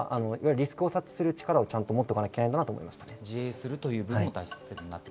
リスクを察知する力を持っておかなきゃいけないと思います。